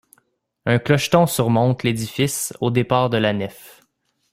Un clocheton surmonte l’édifice au départ de la nef.